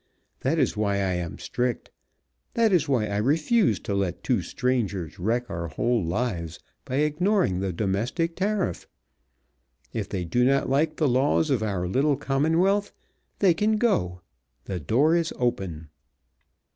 That is why I am strict. That is why I refuse to let two strangers wreck our whole lives by ignoring the Domestic Tariff. If they do not like the laws of our little Commonwealth, they can go. The door is open!"